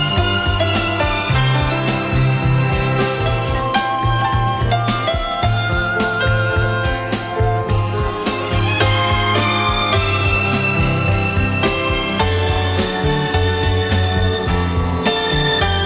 hẹn gặp lại